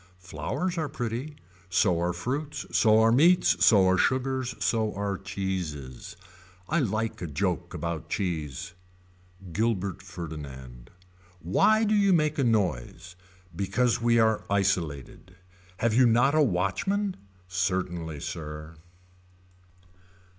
Flowers are pretty. So are fruits. So are meats. So are sugars. So are cheeses. I like a joke about cheese. Gilbert Ferdinand. Why do you make a noise. Because we are isolated. Have you not a watchman. Certainly sir.